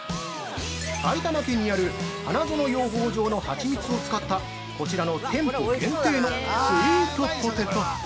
◆埼玉県にある「花園養蜂場」のはちみつを使ったこちらの店舗限定のスイートポテト。